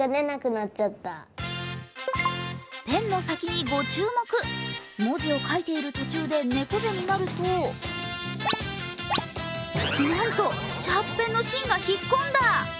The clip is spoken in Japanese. ペンの先にご注目文字を書いている途中で猫背になるとなんと、シャープペンの芯が引っ込んだ！